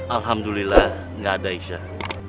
alhamdulillah gak ada aisyah